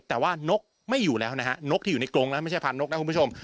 แต่ว่านกไม่อยู่แล้วนะฮะนกที่อยู่ในกรงแล้วไม่ใช่พานนกนะคุณผู้ชม